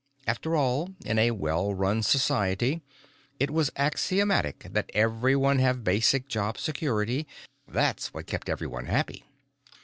After all, in a well run society, it was axiomatic that everyone have basic job security; that's what kept everyone happy.